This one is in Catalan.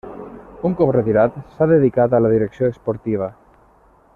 Un cop retirat s'ha dedicat a la direcció esportiva.